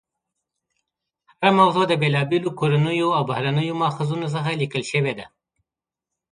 هره موضوع د بېلابېلو کورنیو او بهرنیو ماخذونو څخه لیکل شوې ده.